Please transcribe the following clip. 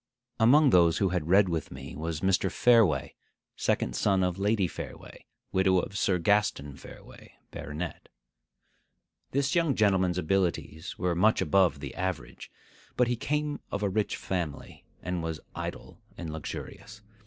Among those who had read with me was Mr. Fareway, second son of Lady Fareway, widow of Sir Gaston Fareway, baronet. This young gentleman's abilities were much above the average; but he came of a rich family, and was idle and luxurious.